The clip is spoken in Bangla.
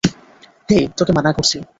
হেই, তোকে মানা করছি।